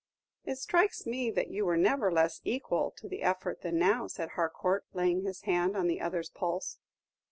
"It strikes me that you were never less equal to the effort than now," said Harcourt, laying his hand on the other's pulse.